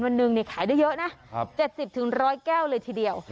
วันหนึ่งขายได้เยอะนะ๗๐๑๐๐แก้วเลยทีเดียว